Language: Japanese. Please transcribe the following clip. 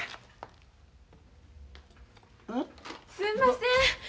うん？すんません。